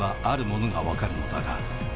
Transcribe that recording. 「あるものが分かるのだが」